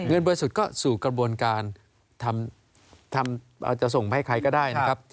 บริสุทธิ์ก็สู่กระบวนการทำจะส่งไปให้ใครก็ได้นะครับ